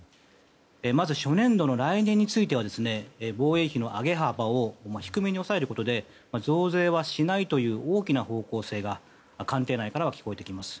まず初年度の来年については防衛費の上げ幅を低めに抑えることで増税はしないという大きな方向性が官邸内からは聞こえてきます。